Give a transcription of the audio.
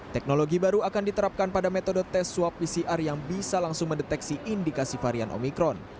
teknologi baru akan diterapkan pada metode tes swab pcr yang bisa langsung mendeteksi indikasi varian omikron